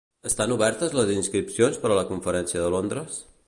Estan obertes les inscripcions per a la conferència de Londres?